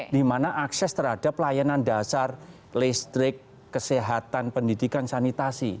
dimana akses terhadap layanan dasar listrik kesehatan pendidikan sanitasi